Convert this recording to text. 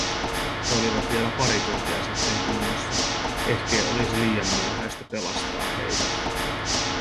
He olivat vielä pari tuntia sitten kunnossa… Ehkei olisi liian myöhäistä pelastaa heitä.